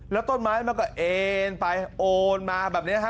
แล้วต้นไม้มันก็เอ็นไปโอนมาแบบนี้ฮะ